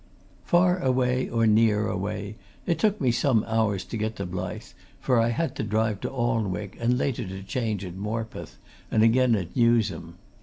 Far away or near away, it took me some hours to get to Blyth, for I had to drive to Alnwick, and later to change at Morpeth, and again at Newsham.